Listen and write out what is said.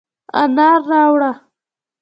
انار راوړه،